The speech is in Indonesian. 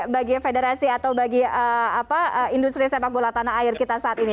bagi federasi atau bagi industri sepak bola tanah air kita saat ini